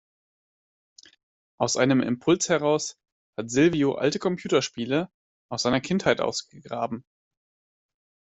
Aus einem Impuls heraus hat Silvio alte Computerspiele aus seiner Kindheit ausgegraben.